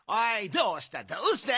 どうしたどうした？